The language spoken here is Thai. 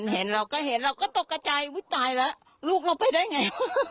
เห็นเราก็เห็นเราก็ตกกระใจอุ๊ยตายแล้วลูกเราไปได้ไง